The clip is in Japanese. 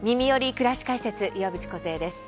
くらし解説」岩渕梢です。